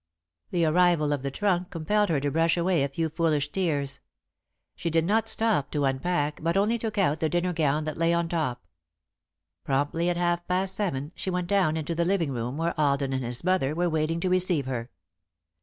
The arrival of the trunk compelled her to brush away a few foolish tears. She did not stop to unpack, but only took out the dinner gown that lay on top. Promptly at half past seven, she went down into the living room, where Alden and his mother were waiting to receive her.